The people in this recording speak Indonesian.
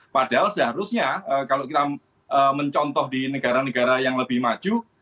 padahal seharusnya kalau kita mencontoh di negara negara yang lebih maju